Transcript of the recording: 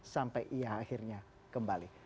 sampai ia akhirnya kembali